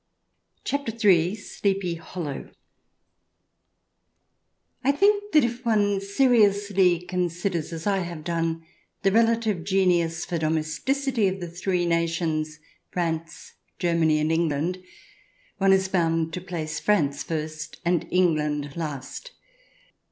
CHAPTER III SLEEPY HOLLOW I THINK that if one seriously considers, as I have done, the relative genius for domesticity of the three nations — France, Germany, and England — one is bound to place France first and England last.